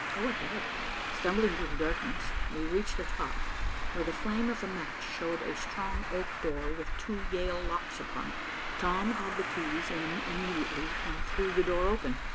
Go ahead." Stumbling through the darkness, we reached the top, where the flame of a match showed a strong oak door with two Yale locks upon it. Tom had the keys in immediately and threw the door open.